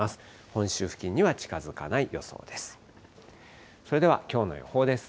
本州付近には近づかない予想です。